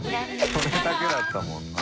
これだけだったもんな。